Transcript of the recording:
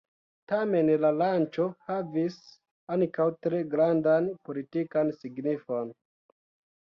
Tamen la lanĉo havis ankaŭ tre grandan politikan signifon.